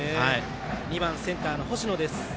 ２番センターの星野です。